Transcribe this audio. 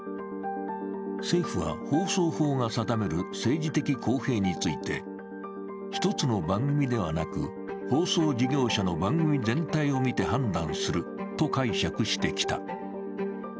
政府は放送法が定める政治的公平について、一つの番組ではなく、放送事業者の番組全体を見て判断すると解釈してきた。